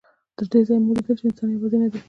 تر دې ځایه مو ولیدل چې انسان یوازې نه دی.